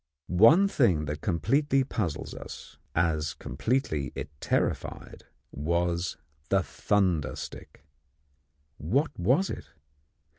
One thing that completely puzzled us as completely as it terrified was the thunder stick. What was it?